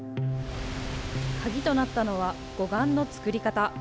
鍵となったのは、護岸の作り方。